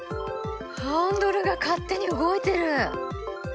ハンドルが勝手に動いてる！